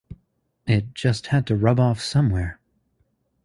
It just had to rub off somewhere.